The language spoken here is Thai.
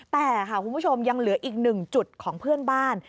แต่ค่ะคุณผู้ชมยังเหลืออีกหนึ่งจุดของเพื่อนบ้าน